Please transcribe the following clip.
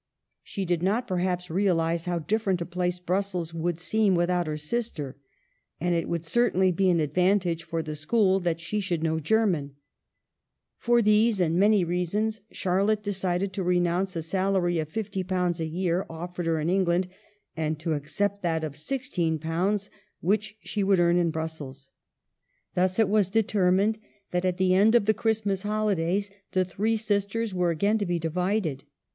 She did not perhaps realize how different a place Brussels would seem without her sister. And it would certainly be an advantage for the school that she should know German. For these, and many reasons, Charlotte decided to renounce a salary of ^50 a year offered her in England, and to accept that of £16 which she would earn in Brussels. Thus it was determined that at the end of the Christmas holidays the three sisters were again to be divided.